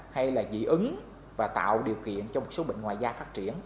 hay là dị ứng và tạo điều kiện cho một số bệnh ngoài da phát triển